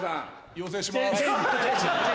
要請します。